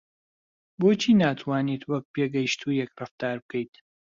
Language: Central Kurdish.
بۆچی ناتوانیت وەک پێگەیشتوویەک ڕەفتار بکەیت؟